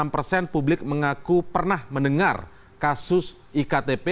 tujuh puluh dua enam persen publik mengaku pernah mendengar kasus iktp